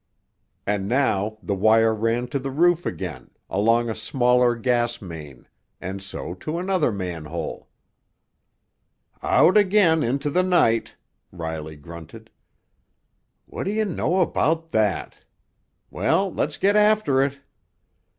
And now the wire ran to the roof again, along a smaller gas main, and so to another manhole. "Out again into the night!" Riley grunted. "What do you know about that? Well—let's get after it!"